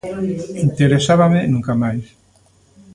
Interesábame Nunca Máis.